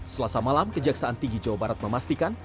selasa malam kejaksaan tinggi jawa barat memastikan